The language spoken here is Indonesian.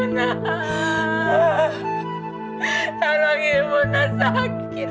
selamat lemari diriku pergi massachusetts